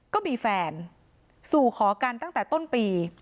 ก็มีแฟนสู่ขอกันตั้งแต่ต้นปี